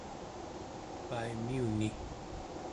paimiuni